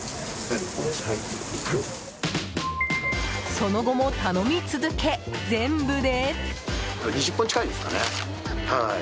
その後も頼み続け、全部で。